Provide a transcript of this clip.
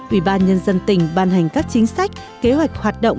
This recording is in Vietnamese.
ủy ban nhân dân tỉnh ban hành các chính sách kế hoạch hoạt động